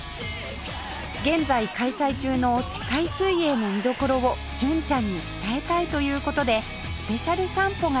現在開催中の世界水泳の見どころを純ちゃんに伝えたいという事でスペシャル散歩が実現しました